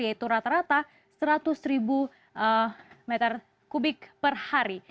beri itu rata rata seratus m tiga per hari